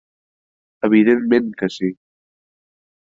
Evidentment que sí.